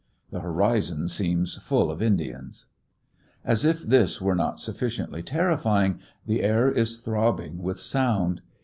The horizon seems full of Indians. As if this were not sufficiently terrifying, the air is throbbing with sound.